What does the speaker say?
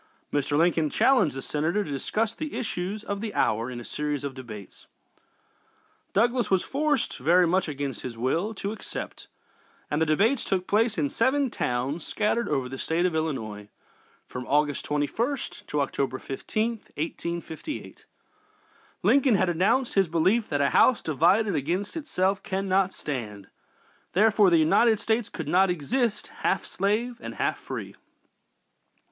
Mr. Lincoln challenged the Senator to discuss the issues of the hour in a series of debates. Douglas was forced, very much against his will, to accept, and the debates took place in seven towns scattered over the State of Illinois, from August 21st to October 15th, 1858. Lincoln had announced his belief that "a house divided against itself cannot stand;" therefore the United States could not long exist "half slave and half free."